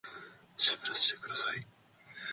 喋らせてください